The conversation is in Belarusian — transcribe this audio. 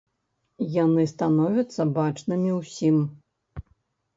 Яны становяцца бачнымі ўсім.